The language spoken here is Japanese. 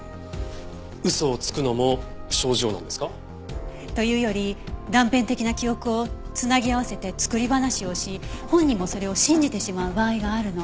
嘘をつくのも症状なんですか？というより断片的な記憶を繋ぎ合わせて作り話をし本人もそれを信じてしまう場合があるの。